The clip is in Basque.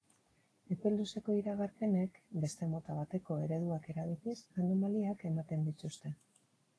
Epe luzeko iragarpenek, beste mota bateko ereduak erabiliz, anomaliak ematen dituzte.